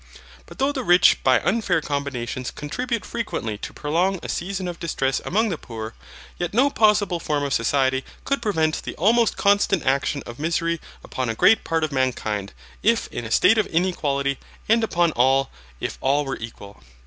But though the rich by unfair combinations contribute frequently to prolong a season of distress among the poor, yet no possible form of society could prevent the almost constant action of misery upon a great part of mankind, if in a state of inequality, and upon all, if all were equal.